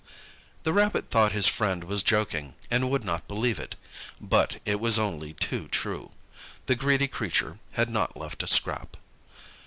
The Rabbit thought his friend was joking, and would not believe it; but it was only too true the greedy creature had not left a scrap.